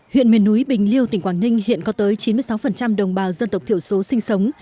huyện miền núi bình liêu tỉnh quảng ninh hiện có tới chín mươi sáu đồng bào dân tộc thiểu số sinh sống